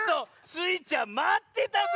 スイちゃんまってたぜ！